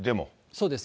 そうです。